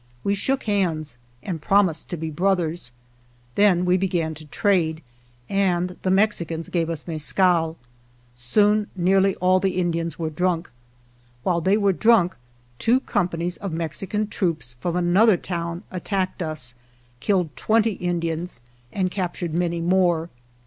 We shook hands and prom ised to be brothers. Then we began to trade, and the Mexicans gave us mescal. Soon nearly all the Indians were drunk. While they were drunk two companies of Mexican troops, from, another town, attacked us, 103 GERONIMO killed twenty Indians, and captured many more.